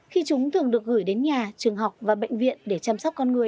khi chúng thường được gửi đến nhà trường học và bệnh viện để chăm sóc con người